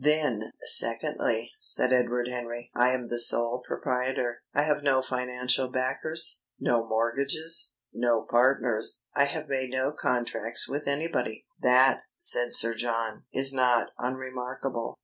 "Then, secondly," said Edward Henry, "I am the sole proprietor. I have no financial backers, no mortgages, no partners. I have made no contracts with anybody." "That," said Sir John, "is not unremarkable.